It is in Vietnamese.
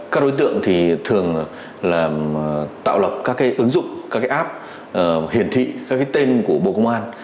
các đối tượng thường tạo lập các ứng dụng các app hiển thị các tên của bộ công an